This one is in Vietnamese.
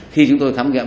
khi chúng tôi thám nghiệm